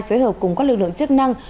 phối hợp cùng các lực lượng chức năng